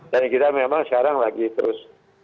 dan kita memang sekarang lagi terus